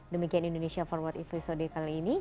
demikian indonesia forward episode kali ini